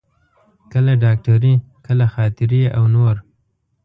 کله ډاکټري، کله خاطرې او نور.